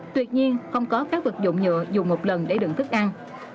tuy nhiên không có các vật dụng nhựa dùng một lần để đựng thức ăn